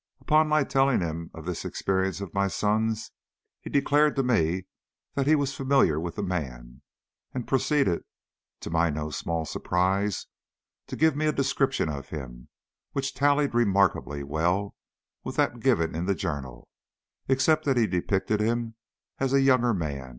Upon my telling him of this experience of my son's, he declared to me that he was familiar with the man, and proceeded, to my no small surprise, to give me a description of him, which tallied remarkably well with that given in the journal, except that he depicted him as a younger man.